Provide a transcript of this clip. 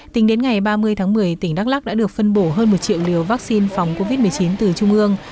tính đến ngày ba mươi tháng một mươi tỉnh đắk lắc đã được phân bổ hơn một triệu liều vaccine phòng covid một mươi chín từ trung ương